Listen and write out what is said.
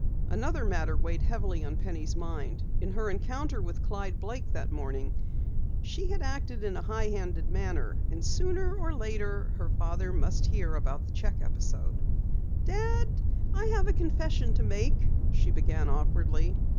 Another matter weighed heavily on Penny's mind. In her encounter with Clyde Blake that morning, she had acted in a high handed manner, and sooner or later her father must hear about the cheque episode. "Dad, I have a confession to make," she began awkwardly.